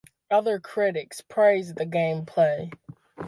Other critics praised the gameplay.